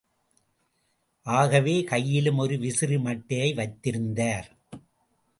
ஆகவே, கையிலும் ஒரு விசிறி மட்டையை வைத்திருந்தார்.